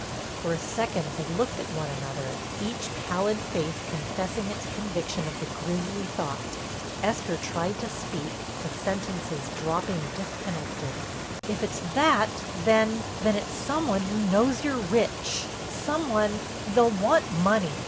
For a second they looked at one another, each pallid face confessing its conviction of the grisly thought. Esther tried to speak, the sentences dropping disconnected: "If it's that then—then—it's some one who knows you're rich—some one—they'll want money.